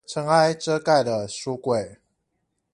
塵埃遮蓋了書櫃